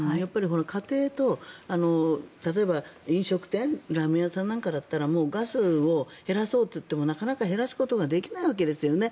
家庭と、例えば飲食店ラーメン屋さんなんかだったらガスを減らそうと思ってもなかなか減らすことができないわけですよね。